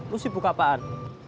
lo sibuk apaan